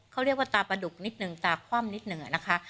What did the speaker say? เขาเรียกว่าตาประดุกนิดนึงตาคว่ำนิดหนึ่งอะนะคะ